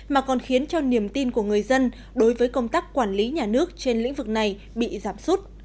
mà còn khiến cho niềm tin của người dân đối với công tác quản lý nhà nước trên lĩnh vực này bị giảm sút